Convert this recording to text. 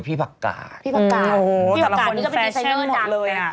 พี่พักกาตนี่ก็เป็นฟาชั่นหมดเลย